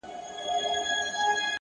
هوښیار انتخاب د ستونزو شمېر کموي.!